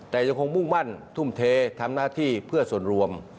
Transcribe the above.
แต่ยังคงมุ่งมั่นทุ่มเททำหน้าที่เพื่อส่วนรวม